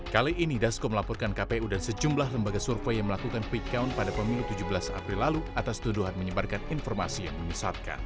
kali ini dasko melaporkan kpu dan sejumlah lembaga survei yang melakukan quick count pada pemilu tujuh belas april lalu atas tuduhan menyebarkan informasi yang menyesatkan